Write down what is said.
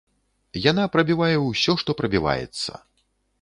Яна прабівае ўсё, што прабіваецца.